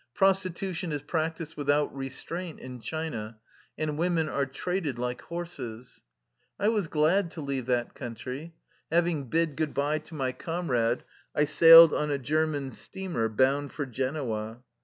Prostitution is practised without restraint in China, and women are traded like horses. I was glad to leave that country. Having bid good by to my comrade, I sailed on a German steamer bound for Genoa.